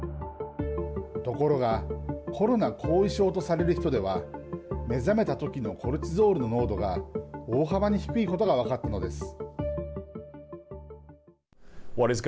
ところがコロナ後遺症とされる人では目覚めたときのコルチゾールの濃度が大幅に低いことが分かったのです。